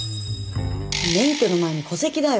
免許の前に戸籍だよ。